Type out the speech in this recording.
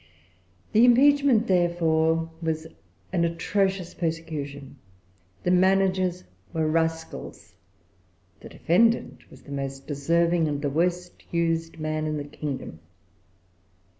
The impeachment, therefore, was an atrocious persecution;[Pg 369] the managers were rascals; the defendant was the most deserving and the worst used man in the kingdom.